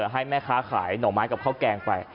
ให้แม่ค้าขายหน่อไม้กับข้าวแกงไป